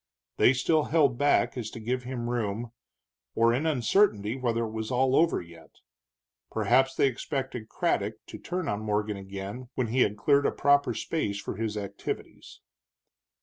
They still held back as if to give him room, or in uncertainty whether it was all over yet. Perhaps they expected Craddock to turn on Morgan again when he had cleared a proper space for his activities.